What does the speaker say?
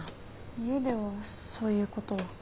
家ではそういう事は。